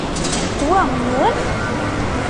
Wa nwen?